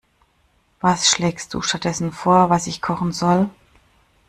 Was schlägst du stattdessen vor, was ich kochen soll?